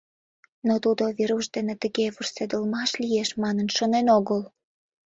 Но тудо Веруш дене тыге вурседылмаш лиеш манын шонен огыл.